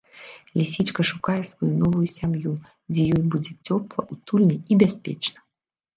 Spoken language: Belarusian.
Лісічка шукае сваю новую сям'ю, дзе ёй будзе цёпла, утульна і бяспечна.